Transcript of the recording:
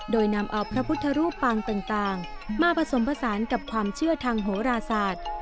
โดยนำเอาพระพุทธรูปปางต่างมาผสมผสานกับความเชื่อทางโหราศาสตร์